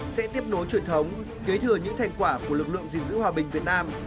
sẽ tiếp nối truyền thống kế thừa những thành quả của lực lượng gìn giữ hòa bình việt nam